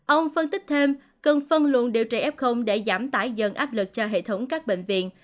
ông phân tích thêm cần phân luận điều trị f để giảm tải dần áp lực cho hệ thống các bệnh viện